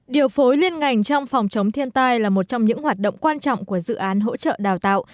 điều phối liên ngành trong phòng chống thiên tai là một trong những hoạt động quan trọng của dự án hỗ trợ đào tạo